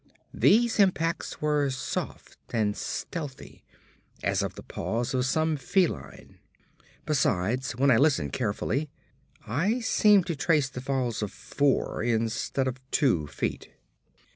These impacts were soft, and stealthy, as of the paws of some feline. Besides, when I listened carefully, I seemed to trace the falls of four instead of two feet.